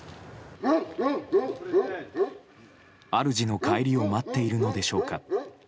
主の帰りを待っているのでしょうか。